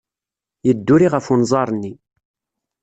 Yedduri ɣef unẓar-nni.